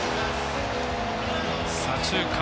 左中間。